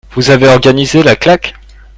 Vous avez organisé la claque